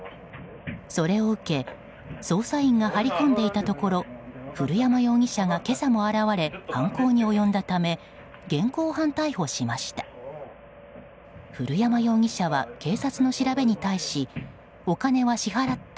それを受け、捜査員が張り込んでいたところ古山容疑者が今朝も現れ犯行に及んだため現行犯逮捕しました。